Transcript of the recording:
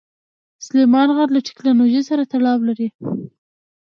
سلیمان غر له تکنالوژۍ سره تړاو لري.